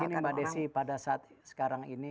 karena gini mbak desy pada saat sekarang ini